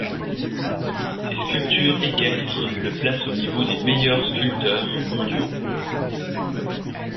Ses sculptures équestres le placent au niveau des meilleurs sculpteurs mondiaux.